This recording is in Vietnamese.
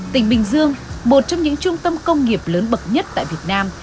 tỉnh bình dương một trong những trung tâm công nghiệp lớn bậc nhất tại việt nam